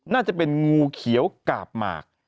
น่าจะเป็นงูเขียวกาบหมาก